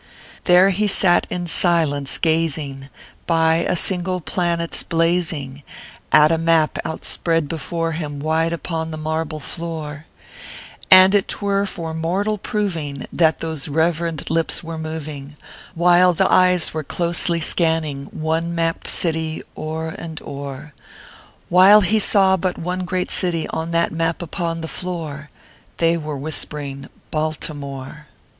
35 There he sat in silence, gazing, by a single planet s blazing, At a map outspread before him wide upon the marble floor ; And if twere for mortal proving that those reverend lips were moving, While the eyes were closely scanning one mapped city o er and o er "While ho saw but one great city on that map upon the floor They were whispering " BALTIMORE."